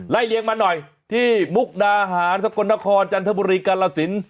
ไล่เรียกมาหน่อยที่มุกนาหารศพนครจันทบุรีกรรศิน